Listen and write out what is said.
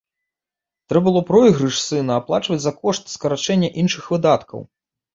Трэ было пройгрыш сына аплачваць за кошт скарачэння іншых выдаткаў.